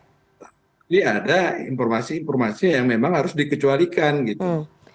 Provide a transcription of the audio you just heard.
jadi ada informasi informasi yang memang harus dikecualikan gitu